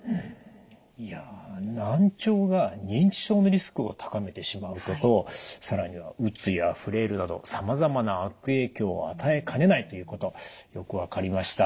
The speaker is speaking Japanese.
いや難聴が認知症のリスクを高めてしまうこと更にはうつやフレイルなどさまざまな悪影響を与えかねないということよく分かりました。